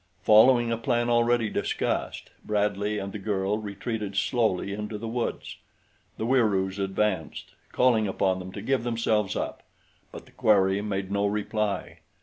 Following a plan already discussed Bradley and the girl retreated slowly into the woods. The Wieroos advanced, calling upon them to give themselves up; but the quarry made no reply.